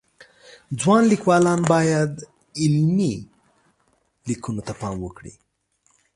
ځوان لیکوالان باید علمی لیکنو ته پام وکړي